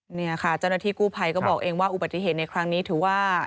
เนี่ยค่ะเจ้าหน้าที่กู้ภัยก็บอกเองว่าอุบัติเหตุในครั้งนี้ถือว่า